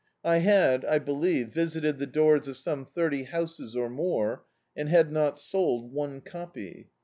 I had, I believe, visited the doors of some thirty houses or more, and had not sold one copy.